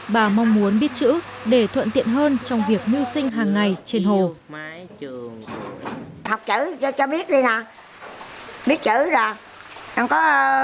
bà mong muốn biết chữ để thuận tiện hơn trong việc mưu sinh hàng ngày trên hồ